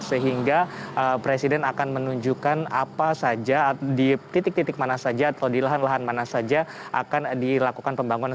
sehingga presiden akan menunjukkan apa saja di titik titik mana saja atau di lahan lahan mana saja akan dilakukan pembangunan